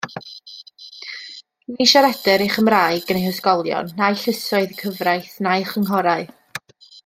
Ni siaredir ei Chymraeg yn ei hysgolion na'i llysoedd cyfraith na'i chynghorau.